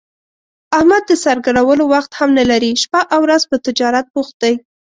احمد د سر ګرولو وخت هم نه لري، شپه اورځ په تجارت بوخت دی.